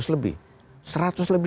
seratus lebih perusahaan ini memang